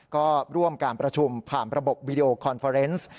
ก็ร่วมการประชุมผ่านระบบวีดีโอคอนเฟอร์เนส์